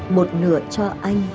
một nửa cho anh